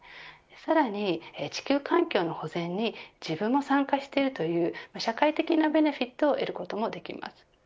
さらに地球環境の保全に自分も参加しているという社会的なベネフィットを得ることができます。